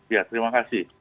ya terima kasih